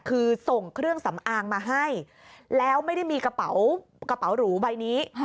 คือส่งเครื่องสำอางมาให้แล้วไม่ได้มีกระเป๋าหรูใบนี้